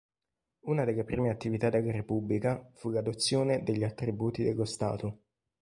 Una delle prime attività della Repubblica fu l'adozione degli attributi dello stato.